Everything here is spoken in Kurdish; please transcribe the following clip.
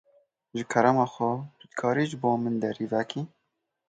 Ji kerema xwe tu dikarî ji bo min derî vekî.